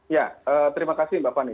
ya terima kasih mbak fani